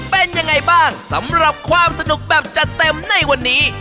เป็นยังไงบ้างสำหรับความสนุกแบบจัดเต็มในวันนี้